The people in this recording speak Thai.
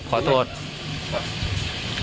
พี่รามยอมรับหนึ่งสิ่งที่พี่รามทำดูไปว่ามันแรงไปนะครับ